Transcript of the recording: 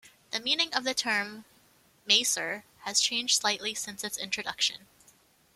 The meaning of the term "maser" has changed slightly since its introduction.